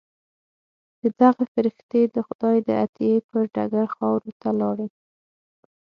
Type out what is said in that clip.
دغه فرښتې د خدای د عطیې پر ډګر خاورو ته لاړې.